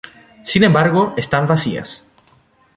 Sin embargo, están vacías.